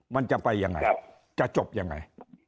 มันจะไปยังไงจะจบยังไง